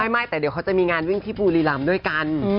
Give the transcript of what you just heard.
ไม่แต่เดี๋ยวเขาจะมีงานวิ่งที่บุรีรำด้วยกัน